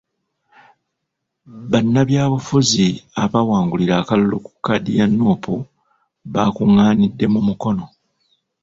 Bannabyabufuzi abaawangulira akalulu ku kkaadi ya Nuupu bakungaanidde mu Mukono .